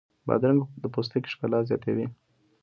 بادرنګ د پوستکي ښکلا زیاتوي.